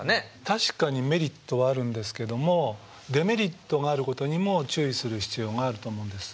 確かにメリットはあるんですけどもデメリットがあることにも注意する必要があると思うんです。